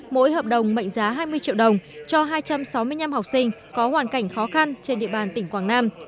mỗi hợp đồng mệnh giá hai mươi triệu đồng cho hai trăm sáu mươi năm học sinh có hoàn cảnh khó khăn trên địa bàn tỉnh quảng nam